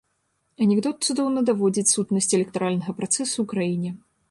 Анекдот цудоўна даводзіць сутнасць электаральнага працэсу ў краіне.